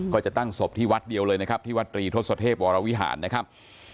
ก็จะตั้งศพที่วัดเดียวเลยนะครับที่วัดตรีทศเทพวรวิหารนะครับ